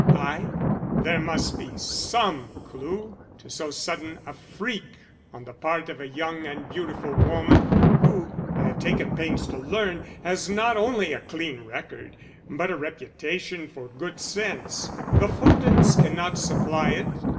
"I?" "There must be some clew to so sudden a freak on the part of a young and beautiful woman, who, I have taken pains to learn, has not only a clean record but a reputation for good sense. The Fultons cannot supply it.